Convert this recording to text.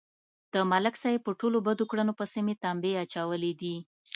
د ملک صاحب په ټولو بدو کړنو پسې مې تمبې اچولې دي